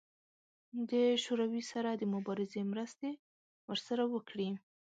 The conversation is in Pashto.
د شوروي سره د مبارزې مرستې ورسره وکړي.